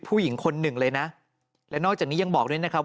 ผู้หญิงคนหนึ่งเลยนะและนอกจากนี้ยังบอกด้วยนะครับ